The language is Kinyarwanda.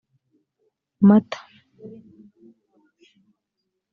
mata